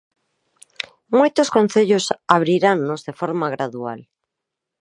Moitos concellos abriranos de forma gradual.